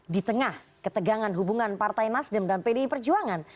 di tengah ketegangan hubungan partai nasdem dan pdi perjuangan